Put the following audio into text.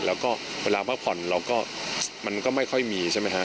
แล้วก็เวลาพรรดิมันก็ไม่ค่อยมีใช่ไหมคะ